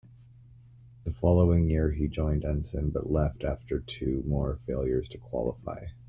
The following year he joined Ensign but left after two more failures to qualify.